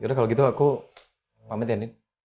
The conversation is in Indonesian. ya udah kalau gitu aku pamit ya din